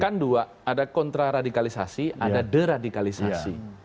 kan dua ada kontra radikalisasi ada deradikalisasi